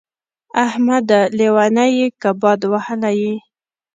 احمده! لېونی يې که باد وهلی يې.